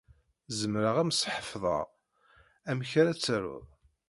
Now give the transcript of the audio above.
Zemreɣ ad m-sḥefḍeɣ amek ara taruḍ.